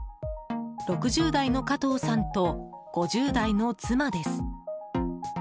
６０代の加藤さんと５０代の妻です。